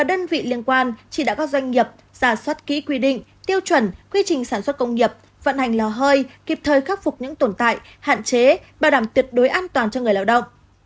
vận hành lò hơi kịp thời khắc phục những tồn tại hạn chế bảo đảm tuyệt đối an toàn cho người lao động